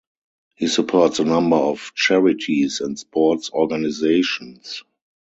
He supports a number of charities and sports organisations.